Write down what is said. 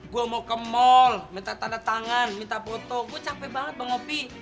gue mau ke mall minta tanda tangan minta foto gue capek banget bang ngopi